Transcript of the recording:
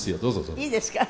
いいですか？